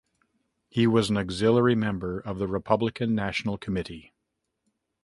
He was an auxiliary member of the Republican National Committee.